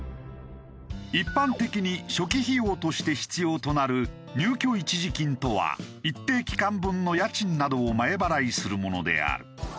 一般的に初期費用として必要となる入居一時金とは一定期間分の家賃などを前払いするものである。